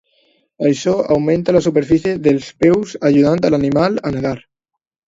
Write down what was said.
Això augmenta la superfície dels peus, ajudant l'animal a nedar.